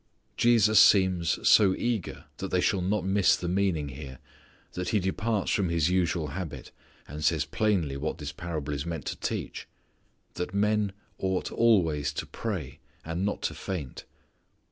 Jesus seems so eager that they shall not miss the meaning here that He departs from His usual habit and says plainly what this parable is meant to teach: "that men ought always to pray, and not to faint."